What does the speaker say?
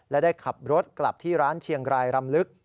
และได้ขับรถกลับที่ร้านเชียงรายรำลึก